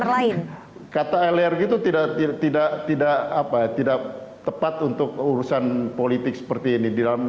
lain kata lrg itu tidak tidak tidak apa tidak tepat untuk urusan politik seperti ini dalam